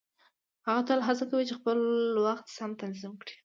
هغه تل هڅه کوي چې خپل وخت سم تنظيم کړي.